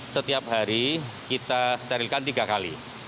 setiap hari kita sterilkan tiga kali